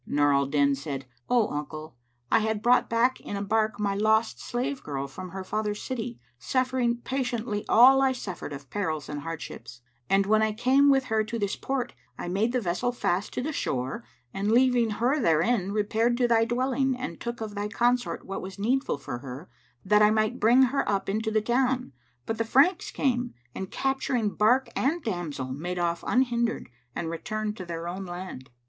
Nur al Din said, "O uncle, I had brought back in a barque my lost slave girl from her father's city, suffering patiently all I suffered of perils and hardships; and when I came with her to this port, I made the vessel fast to the shore and leaving her therein, repaired to thy dwelling and took of thy consort what was needful for her, that I might bring her up into the town; but the Franks came and capturing barque and damsel made off unhindered, and returned to their own land."